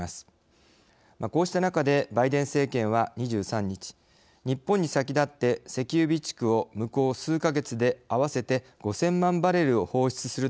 こうした中でバイデン政権は２３日日本に先立って石油備蓄をむこう数か月で合わせて５，０００万バレルを放出すると発表。